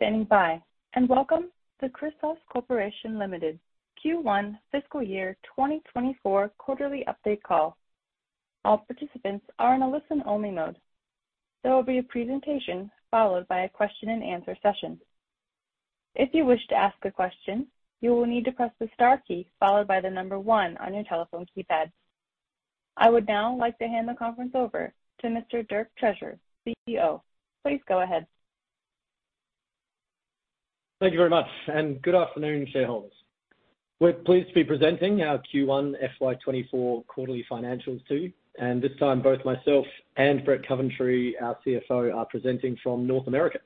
Thank you for standing by, and welcome to Chrysos Corporation Limited Q1 Fiscal Year 2024 quarterly update call. All participants are in a listen-only mode. There will be a presentation followed by a Q&A session. If you wish to ask a question, you will need to press the star key followed by the number one on your telephone keypad. I would now like to hand the conference over to Mr. Dirk Treasure, Chief Executive Officer. Please go ahead. Thank you very much, and good afternoon, shareholders. We're pleased to be presenting our Q1 FY24 quarterly financials to you, and this time both myself and Brett Coventry, our Chief Financial Officer, are presenting from North America,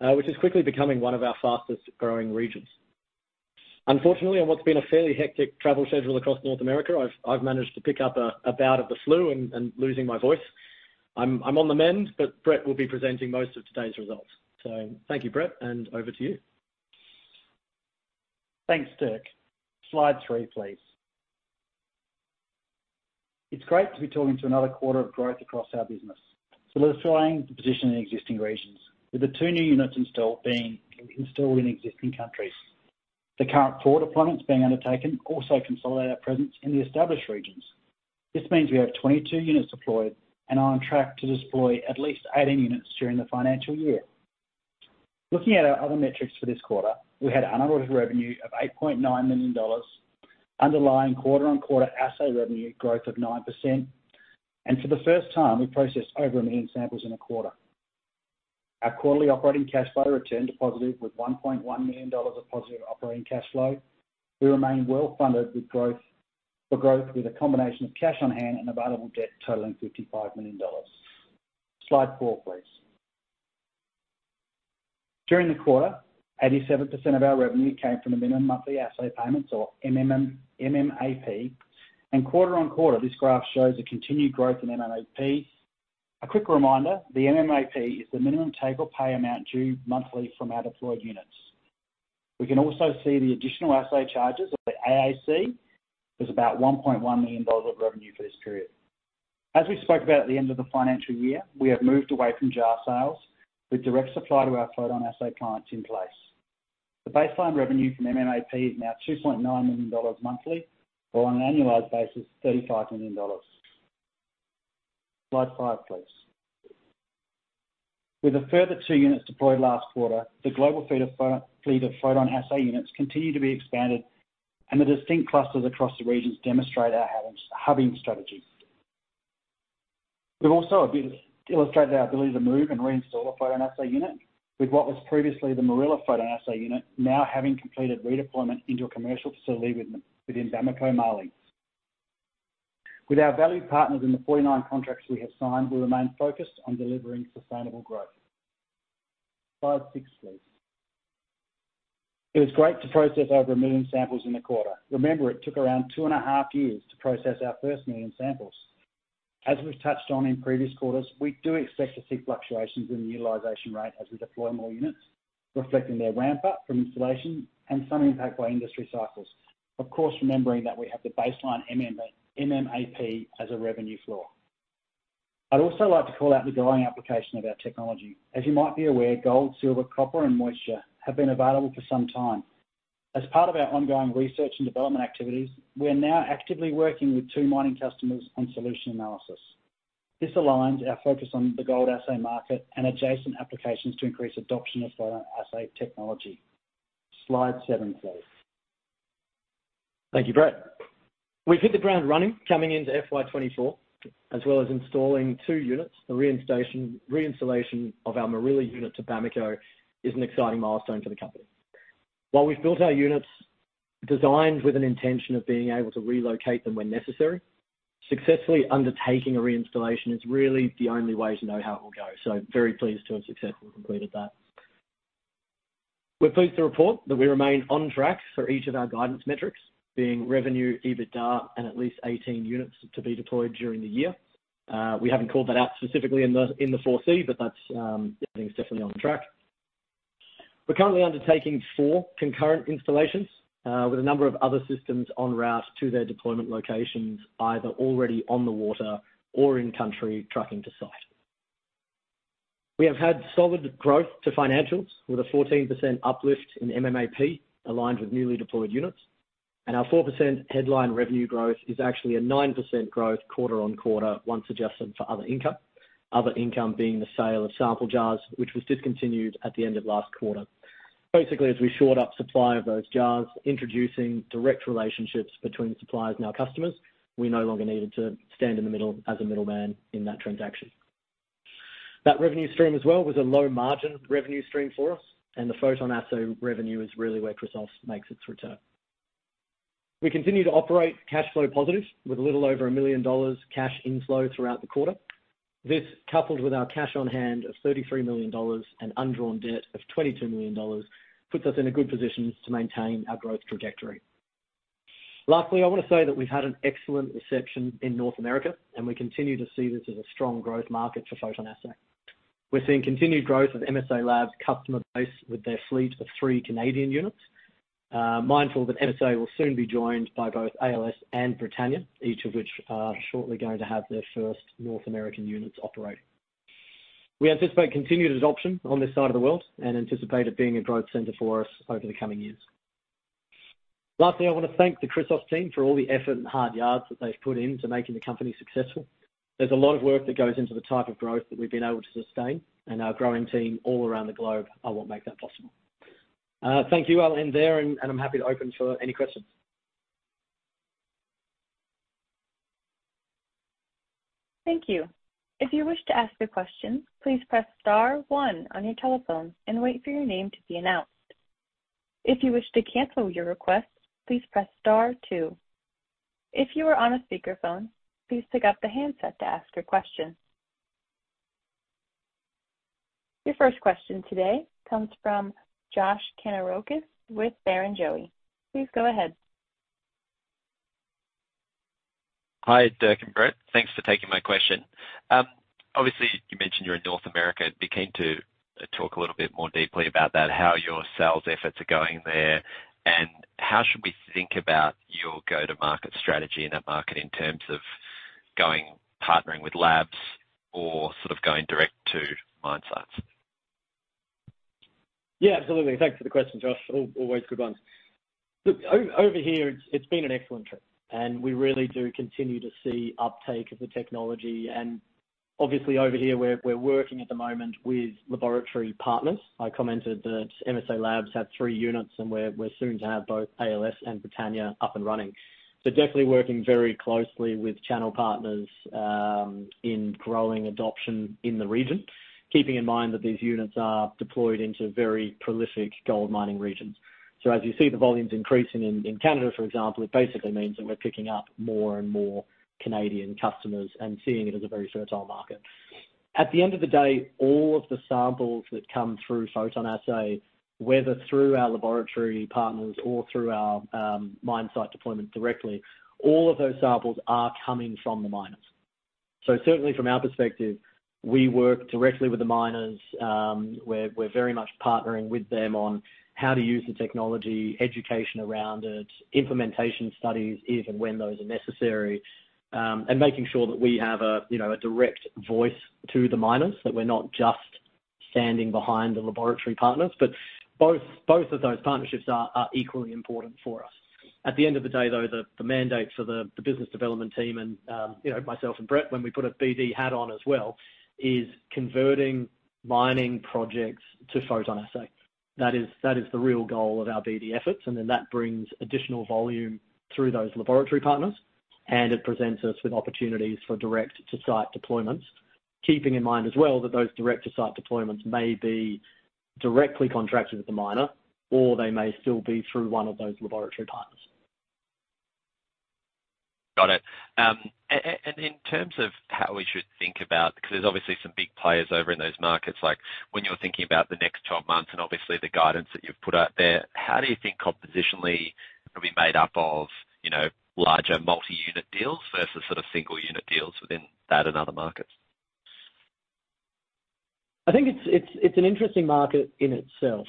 which is quickly becoming one of our fastest growing regions. Unfortunately, on what's been a fairly hectic travel schedule across North America, I've managed to pick up a bout of the flu and losing my voice. I'm on the mend, but Brett will be presenting most of today's results. So thank you, Brett, and over to you. Thanks, Dirk. Slide 3, please. It's great to be talking to another quarter of growth across our business. Solidifying the position in existing regions with the two new units installed, being installed in existing countries. The current port deployments being undertaken also consolidate our presence in the established regions. This means we have 22 units deployed and are on track to deploy at least 18 units during the financial year. Looking at our other metrics for this quarter, we had unaudited revenue of 8.9 million dollars, underlying quarter-on-quarter assay revenue growth of 9%, and for the first time, we processed over 1 million samples in a quarter. Our quarterly operating cash flow returned to positive with 1.1 million dollars of positive operating cash flow. We remain well-funded for growth with a combination of cash on hand and available debt totaling 55 million dollars. Slide 4, please. During the quarter, 87% of our revenue came from the minimum monthly assay payments or MMAP, and quarter-on-quarter, this graph shows a continued growth in MMAP. A quick reminder, the MMAP is the minimum take-or-pay amount due monthly from our deployed units. We can also see the additional assay charges, or the AAC, was about 1.1 million dollars of revenue for this period. As we spoke about at the end of the financial year, we have moved away from jar sales with direct supply to our PhotonAssay clients in place. The baseline revenue from MMAP is now 2.9 million dollars monthly, or on an annualized basis, 35 million dollars. Slide 5, please. With a further two units deployed last quarter, the global fleet of PhotonAssay units continue to be expanded, and the distinct clusters across the regions demonstrate our hubbing strategy. We've also a bit illustrated our ability to move and reinstall a PhotonAssay unit, with what was previously the Morilla PhotonAssay unit, now having completed redeployment into a commercial facility within Bamako, Mali. With our valued partners in the 49 contracts we have signed, we remain focused on delivering sustainable growth. Slide 6, please. It was great to process over 1 million samples in the quarter. Remember, it took around two and half years to process our first 1 million samples. As we've touched on in previous quarters, we do expect to see fluctuations in the utilization rate as we deploy more units, reflecting their ramp up from installation and some impact by industry cycles. Of course, remembering that we have the baseline MMAP as a revenue floor. I'd also like to call out the growing application of our technology. As you might be aware, gold, silver, copper, and moisture have been available for some time. As part of our ongoing research and development activities, we are now actively working with two mining customers on solution analysis. This aligns our focus on the gold assay market and adjacent applications to increase adoption of PhotonAssay technology. Slide 7, please. Thank you, Brett. We've hit the ground running, coming into FY 2024, as well as installing two units. The reinstallation of our Morilla unit to Bamako is an exciting milestone for the company. While we've built our units designed with an intention of being able to relocate them when necessary, successfully undertaking a reinstallation is really the only way to know how it will go. So very pleased to have successfully completed that. We're pleased to report that we remain on track for each of our guidance metrics, being revenue, EBITDA, and at least 18 units to be deployed during the year. We haven't called that out specifically in the 4C, but that's, I think it's definitely on track. We're currently undertaking four concurrent installations, with a number of other systems en route to their deployment locations, either already on the water or in-country trucking to site. We have had solid growth to financials, with a 14% uplift in MMAP, aligned with newly deployed units, and our 4% headline revenue growth is actually a 9% growth quarter-over-quarter, once adjusted for other income. Other income being the sale of sample jars, which was discontinued at the end of last quarter. Basically, as we shore up supply of those jars, introducing direct relationships between suppliers and our customers, we no longer needed to stand in the middle as a middleman in that transaction. That revenue stream as well, was a low margin revenue stream for us, and the PhotonAssay revenue is really where Chrysos makes its return. We continue to operate cash flow positive, with a little over 1 million dollars cash inflow throughout the quarter. This, coupled with our cash on hand of 33 million dollars and undrawn debt of 22 million dollars, puts us in a good position to maintain our growth trajectory. Lastly, I want to say that we've had an excellent reception in North America, and we continue to see this as a strong growth market for PhotonAssay. We're seeing continued growth of MSA Labs' customer base with their fleet of three Canadian units. Mindful that MSA will soon be joined by both ALS and Britannia, each of which are shortly going to have their first North American units operating. We anticipate continued adoption on this side of the world and anticipate it being a growth center for us over the coming years. Lastly, I want to thank the Chrysos team for all the effort and hard yards that they've put in to making the company successful. There's a lot of work that goes into the type of growth that we've been able to sustain, and our growing team all around the globe are what make that possible. Thank you. I'll end there, and I'm happy to open for any questions. Thank you. If you wish to ask a question, please press star one on your telephone and wait for your name to be announced. If you wish to cancel your request, please press star two. If you are on a speakerphone, please pick up the handset to ask your question. Your first question today comes from Josh Kannourakis with Barrenjoey. Please go ahead. Hi, Dirk and Brett. Thanks for taking my question. Obviously, you mentioned you're in North America. I'd be keen to talk a little bit more deeply about that, how your sales efforts are going there, and how should we think about your go-to-market strategy in that market in terms of going partnering with labs or sort of going direct to mine sites? Yeah, absolutely. Thanks for the question, Josh. Always good ones. Look, over here, it's been an excellent trip, and we really do continue to see uptake of the technology. And obviously over here, we're working at the moment with laboratory partners. I commented that MSA Labs have three units, and we're soon to have both ALS and Britannia up and running. So definitely working very closely with channel partners in growing adoption in the region, keeping in mind that these units are deployed into very prolific gold mining regions. So as you see the volumes increasing in Canada, for example, it basically means that we're picking up more and more Canadian customers and seeing it as a very fertile market. At the end of the day, all of the samples that come through PhotonAssay, whether through our laboratory partners or through our, mine site deployment directly, all of those samples are coming from the miners. So certainly from our perspective, we work directly with the miners. We're very much partnering with them on how to use the technology, education around it, implementation studies, if and when those are necessary, and making sure that we have a, you know, a direct voice to the miners, that we're not just standing behind the laboratory partners. But both of those partnerships are equally important for us. At the end of the day, though, the mandate for the business development team and, you know, myself and Brett, when we put a BD hat on as well, is converting mining projects to PhotonAssay. That is, that is the real goal of our BD efforts, and then that brings additional volume through those laboratory partners, and it presents us with opportunities for direct-to-site deployments. Keeping in mind as well, that those direct-to-site deployments may be directly contracted with the miner, or they may still be through one of those laboratory partners. Got it. In terms of how we should think about... Because there's obviously some big players over in those markets, like when you're thinking about the next 12 months and obviously the guidance that you've put out there, how do you think compositionally it'll be made up of, you know, larger multi-unit deals versus sort of single-unit deals within that and other markets? I think it's an interesting market in itself.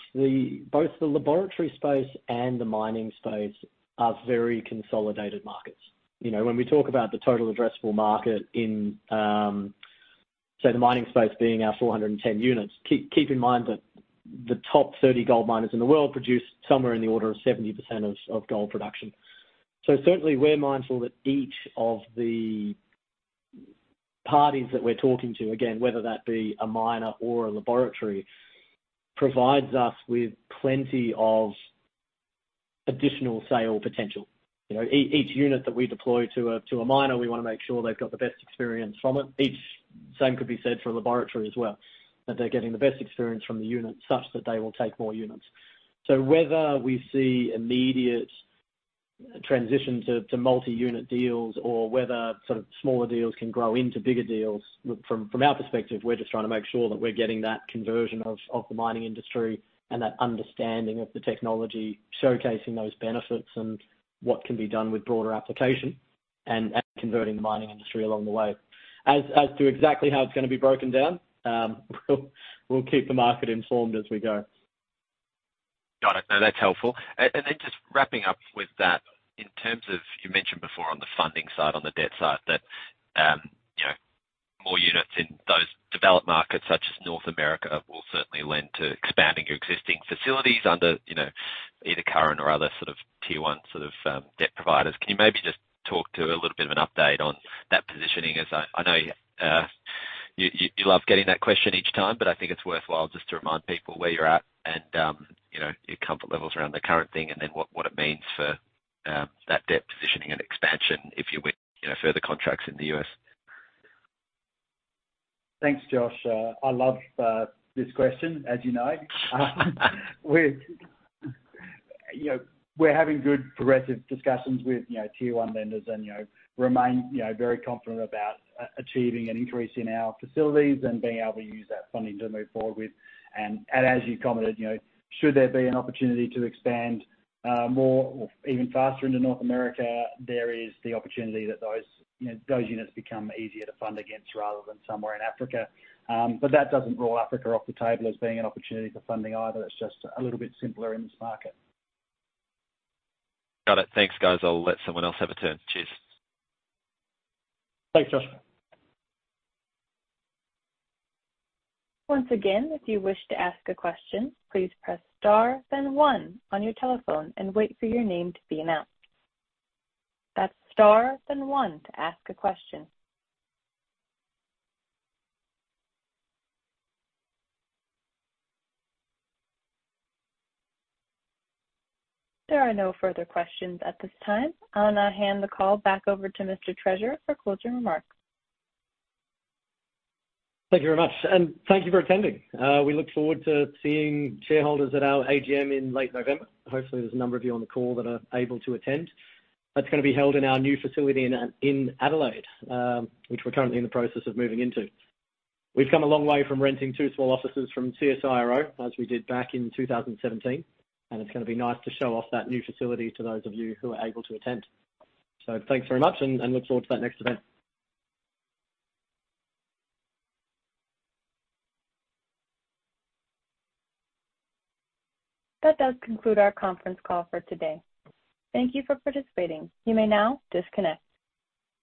Both the laboratory space and the mining space are very consolidated markets. You know, when we talk about the total addressable market in, say, the mining space being our 410 units, keep in mind that the top 30 gold miners in the world produce somewhere in the order of 70% of gold production. So certainly we're mindful that each of the parties that we're talking to, again, whether that be a miner or a laboratory, provides us with plenty of additional sale potential. You know, each unit that we deploy to a miner, we want to make sure they've got the best experience from it. The same could be said for a laboratory as well, that they're getting the best experience from the unit, such that they will take more units. So whether we see immediate transition to multi-unit deals or whether sort of smaller deals can grow into bigger deals, from our perspective, we're just trying to make sure that we're getting that conversion of the mining industry and that understanding of the technology, showcasing those benefits and what can be done with broader application and converting the mining industry along the way. As to exactly how it's gonna be broken down, we'll keep the market informed as we go. Got it. No, that's helpful. And then just wrapping up with that, in terms of, you mentioned before on the funding side, on the debt side, that, you know, more units in those developed markets such as North America, will certainly lend to expanding your existing facilities under, you know, either current or other sort of Tier 1, sort of, debt providers. Can you maybe just talk to a little bit of an update on that positioning? As I know, you love getting that question each time, but I think it's worthwhile just to remind people where you're at and, you know, your comfort levels around the current thing, and then what it means for, that debt positioning and expansion, if you win, you know, further contracts in the U.S. Thanks, Josh. I love this question, as you know. We're, you know, we're having good progressive discussions with, you know, tier-one lenders and, you know, remain, you know, very confident about achieving an increase in our facilities and being able to use that funding to move forward with. And as you commented, you know, should there be an opportunity to expand more or even faster into North America, there is the opportunity that those, you know, those units become easier to fund against rather than somewhere in Africa. But that doesn't rule Africa off the table as being an opportunity for funding either. It's just a little bit simpler in this market. Got it. Thanks, guys. I'll let someone else have a turn. Cheers. Thanks, Josh. Once again, if you wish to ask a question, please press star, then one on your telephone and wait for your name to be announced. That's star, then one to ask a question. There are no further questions at this time. I'll now hand the call back over to Mr. Treasure for closing remarks. Thank you very much, and thank you for attending. We look forward to seeing shareholders at our AGM in late November. Hopefully, there's a number of you on the call that are able to attend. That's gonna be held in our new facility in Adelaide, which we're currently in the process of moving into. We've come a long way from renting two small offices from CSIRO, as we did back in 2017, and it's gonna be nice to show off that new facility to those of you who are able to attend. So thanks very much and look forward to that next event. That does conclude our conference call for today. Thank you for participating. You may now disconnect.